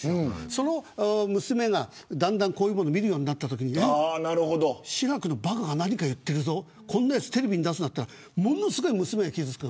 その娘が、だんだんこういうのを見るころになったときに志らくのばかが何か言ってるぞこんなやつテレビに出すなってものすごい、娘が傷つく。